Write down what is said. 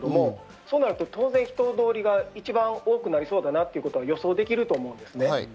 そうなると人通りが一番多くなりそうだなということは予想できると思います。